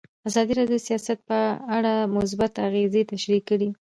ازادي راډیو د سیاست په اړه مثبت اغېزې تشریح کړي.